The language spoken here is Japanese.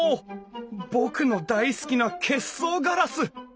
僕の大好きな結霜ガラス！